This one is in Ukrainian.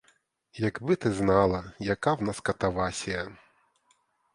Якби ти знала, яка в нас катавасія.